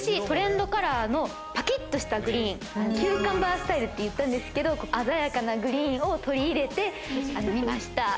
今年、トレンドカラーのパキッとしたグリーン、キューカンバースタイルといったんですけれど、鮮やかなグリーンを取り入れてみました。